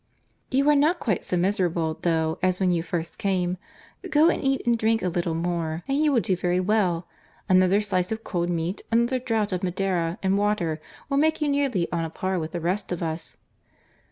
"You are not quite so miserable, though, as when you first came. Go and eat and drink a little more, and you will do very well. Another slice of cold meat, another draught of Madeira and water, will make you nearly on a par with the rest of us."